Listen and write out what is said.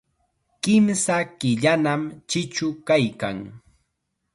Kimsa killanam chichu kaykan.